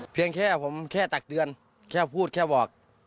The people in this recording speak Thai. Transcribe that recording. เพียงแค่ผมแค่ตักเตือนแค่พูดแค่บอก